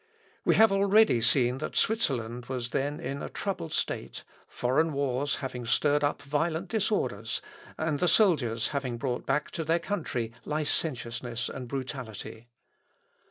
We have already seen that Switzerland was then in a troubled state, foreign wars having stirred up violent disorders, and the soldiers having brought back to their country licentiousness and brutality.